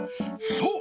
そう！